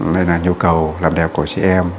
nên là nhu cầu làm đẹp của chị em